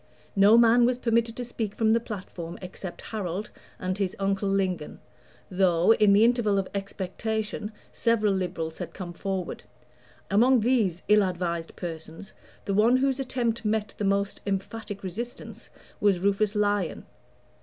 No man was permitted to speak from the platform except Harold and his uncle Lingon, though, in the interval of expectation, several Liberals had come forward. Among these ill advised persons the one whose attempt met the most emphatic resistance was Rufus Lyon.